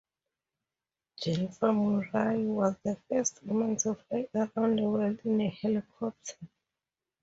Jennifer Murray was the first woman to fly around the world in a helicopter.